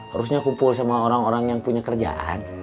harusnya kumpul sama orang orang yang punya kerjaan